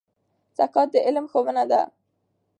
زکات د علم ښوونه ده.